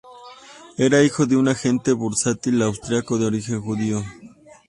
Era hijo de un agente bursátil austriaco de origen judío.